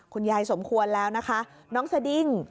คุณยายสมควรแล้วนะคะน้องสดิ้ง